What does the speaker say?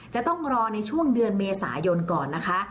จะต้องรอในช่วงเดือนเมษายนก่อนนะคะ